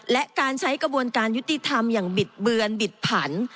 และการใช้กระบวนการยุติธรรมอย่างบิดเบือนบิดผัน